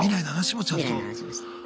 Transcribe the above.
未来の話もちゃんと。